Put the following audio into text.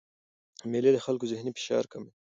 مېلې د خلکو ذهني فشار کموي.